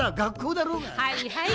はいはい。